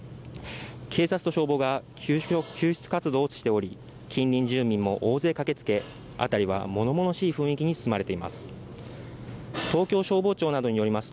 警察と消防が救出活動をしており近隣住民も大勢駆けつけ、辺りは物々しい雰囲気に包まれています。